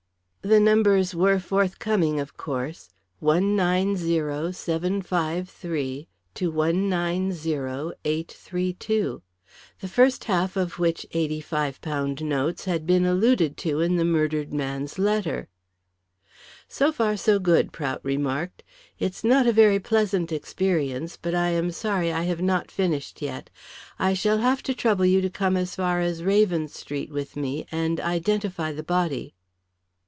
The numbers were forthcoming, of course 190753 to 190832, the first half of which eighty £5 notes had been alluded to in the murdered man's letter. "So far so good," Prout remarked. "It's not a very pleasant experience, but I am sorry I have not finished yet. I shall have to trouble you to come as far as Raven Street with me and identify the body."